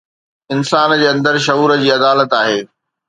انسان جي اندر شعور جي عدالت آهي.